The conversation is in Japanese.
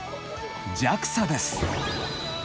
ＪＡＸＡです。